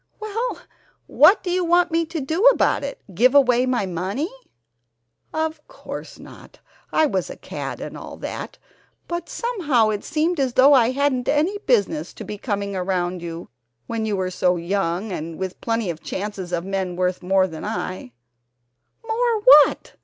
"Well, what do you want me to do about it, give away my money?" "Of course not. I was a cad and all that, but somehow it seemed as though I hadn't any business to be coming around you when you were so young and with plenty of chances of men worth more than I " "More what?